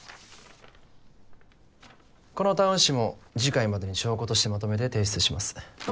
このタウン誌も次回までに証拠としてまとめて提出します